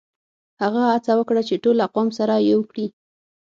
هغه هڅه وکړه چي ټول اقوام سره يو کړي.